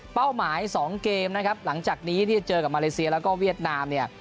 หมาย๒เกมนะครับหลังจากนี้ที่จะเจอกับมาเลเซียแล้วก็เวียดนามเนี่ย